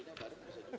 ini saya cek ini